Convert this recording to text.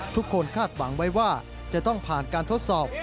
ทุกคนคาดหวังว่าจะต้องผ่านการทดสอบ